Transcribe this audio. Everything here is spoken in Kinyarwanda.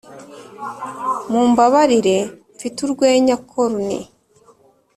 mumbabarire mfite urwenya corny.